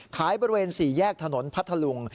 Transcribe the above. บริเวณ๔แยกถนนพัทธลุง